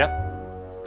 kok kamu bergirsis